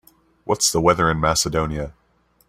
What's the weather in Macedonia